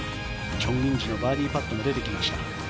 チョン・インジのバーディーパットも出てきました。